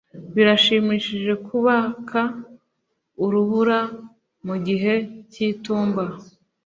birashimishije kubaka urubura mu gihe cy'itumba